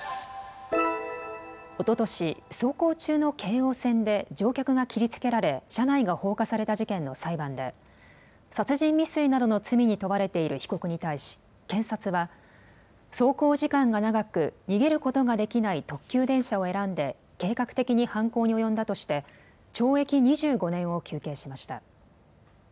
おととし、走行中の京王線で乗客が切りつけられ、車内が放火された事件の裁判で、殺人未遂などの罪に問われている被告に対し、検察は、走行時間が長く、逃げることができない特急電車を選んで、計画的に犯行に及んだとして、懲役２５年を求刑しました。